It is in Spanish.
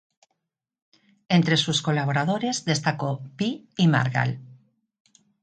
Entre sus colaboradores destacó Pi y Margall.